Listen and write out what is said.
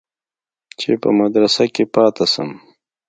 چې په مدرسه کښې پاته سم.